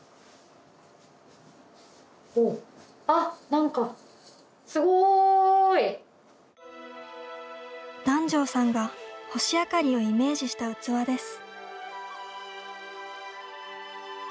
なんか、すごい！檀上さんが「星あかり」をイメージした器です。